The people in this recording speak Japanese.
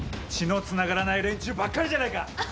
血のつながらない連中ばっかりじゃないか！